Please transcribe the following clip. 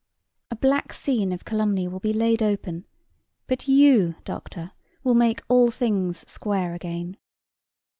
A black scene of calumny will be laid open; but you, Doctor, will make all things square again.